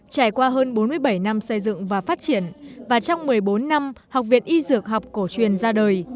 trải qua hơn bốn mươi bảy năm xây dựng và phát triển và trong một mươi bốn năm học viện y dược học cổ truyền ra đời